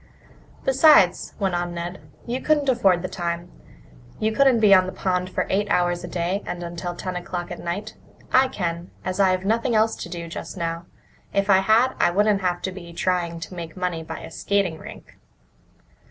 "Besides," went on Ned, "you couldn't afford the time. You couldn't be on the pond for eight hours a day and until ten o'clock at night. I can, as I've nothing else to do just now. If I had, I wouldn't have to be trying to make money by a skating rink."